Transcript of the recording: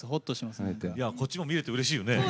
こっちも見れてうれしいよね。